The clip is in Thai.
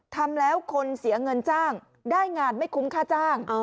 ทำแล้วคนเสียเงินจ้างได้งานไม่คุ้มค่าจ้าง